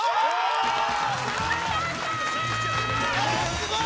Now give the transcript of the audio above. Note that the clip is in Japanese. すごい！